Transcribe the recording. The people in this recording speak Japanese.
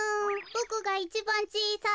ボクがいちばんちいさい。